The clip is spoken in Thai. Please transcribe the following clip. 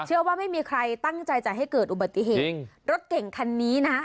เชื่อว่าไม่มีใครตั้งใจจะให้เกิดอุบัติเหตุจริงรถเก่งคันนี้นะ